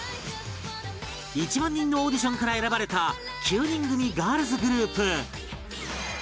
１万人のオーディションから選ばれた９人組ガールズグループ